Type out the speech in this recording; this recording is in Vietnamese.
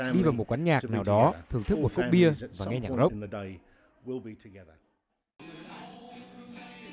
đi vào một quán nhạc nào đó thưởng thức một cốc bia và nghe nhạc rock